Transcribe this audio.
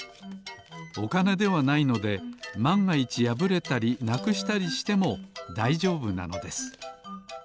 おかねではないのでまんがいちやぶれたりなくしたりしてもだいじょうぶなのです。